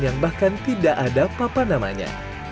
yang bahkan tidak ada apa apa namanya